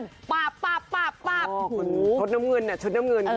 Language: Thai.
ชุดน้ำเงิน